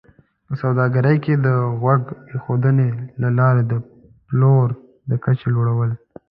په سوداګرۍ کې د غوږ ایښودنې له لارې د پلور د کچې لوړول